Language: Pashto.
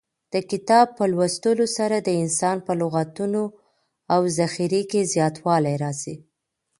د کتاب په لوستلو سره د انسان په لغتونو او ذخیره کې زیاتوالی راځي.